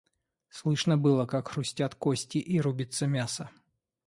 Слышно было, как хрустят кости и рубится мясо.